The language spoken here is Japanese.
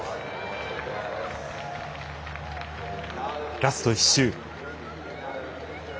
ラスト１周。